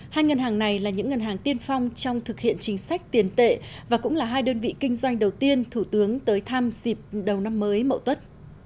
hai ngân hàng này là những ngân hàng tiên phong trong thực hiện chính sách tiền tệ và cũng là hai đơn vị kinh doanh đầu tiên thủ tướng tới thăm dịp đầu năm mới mậu tuất